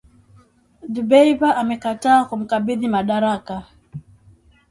Dbeibah amekataa kumkabidhi madaraka